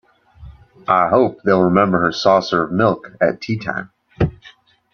I hope they’ll remember her saucer of milk at tea-time.